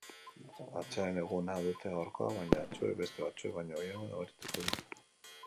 Atseden eguna dute gaurkoa, baina batzuek beste batzuek baino gehiago nabarituko dute.